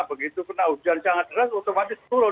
begitu pernah hujan sangat keras otomatis turun